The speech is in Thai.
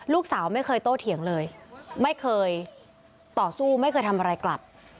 ลูกสาวไม่เคยโตเถียงเลยไม่เคยต่อสู้ไม่เคยทำอะไรกลับ